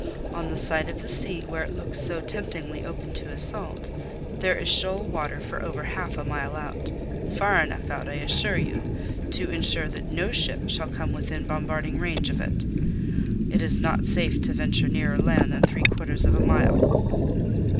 On the side of the sea where it looks so temptingly open to assault, there is shoal water for over half a mile out far enough out, I assure you, to ensure that no ship shall come within bombarding range of it. It is not safe to venture nearer land than three quarters of a mile."